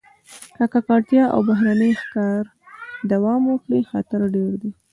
که ککړتیا او بهرني ښکار دوام وکړي، خطر ډېر دی.